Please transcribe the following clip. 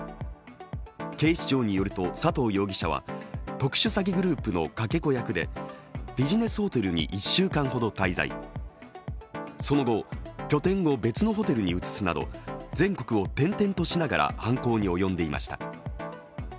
警視庁によると佐藤容疑者は特殊詐欺グループのかけ子役でビジネスホテルに１週間ほど滞在、その後、拠点を別のホテルに移すなど全国を転々としながら犯行に及んでいました。